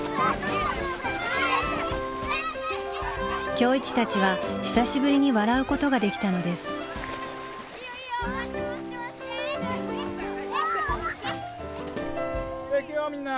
今日一たちは久しぶりに笑うことができたのです・じゃあいくよみんな。